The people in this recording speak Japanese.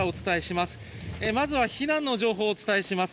まずは避難の情報をお伝えします。